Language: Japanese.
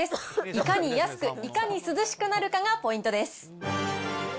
いかに安く、いかに涼しくなるかがポイントです。